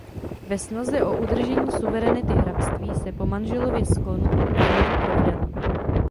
Ve snaze o udržení suverenity hrabství se po manželově skonu znovu provdala.